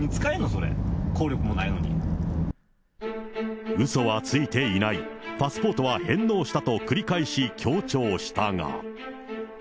それ、効うそはついていない、パスポートは返納したと繰り返し強調したが。